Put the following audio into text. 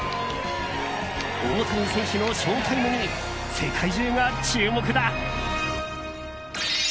大谷選手のショータイムに世界中が注目だ。